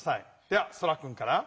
ではそらくんから。